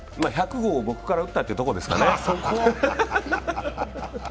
１００号を僕から打ったってとこですかね。